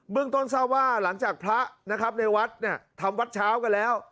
ต้นทราบว่าหลังจากพระนะครับในวัดเนี่ยทำวัดเช้ากันแล้ว